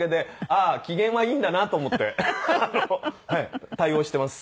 あ機嫌はいいんだなと思って対応してます。